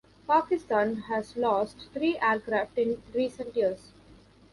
Pakistan has lost three aircraft in recent years.